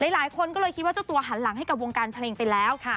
หลายคนก็เลยคิดว่าเจ้าตัวหันหลังให้กับวงการเพลงไปแล้ว